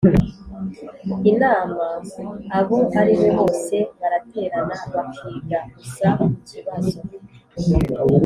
inama abo aribo bose baraterana bakiga gusa ku kibazo